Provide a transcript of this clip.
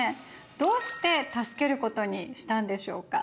どうして助けることにしたんでしょうか。